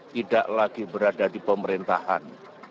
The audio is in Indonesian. tidak lagi berada di pemerintahan